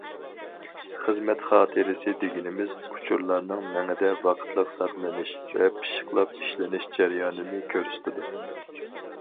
خىزمەت خاتىرىسى دېگىنىمىز، ئۇچۇرلارنىڭ مېڭىدە ۋاقىتلىق ساقلىنىش ۋە پىششىقلاپ ئىشلىنىش جەريانىنى كۆرسىتىدۇ.